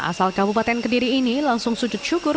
asal kabupaten kediri ini langsung sujud syukur